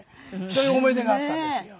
そういう思い出があったんですよ。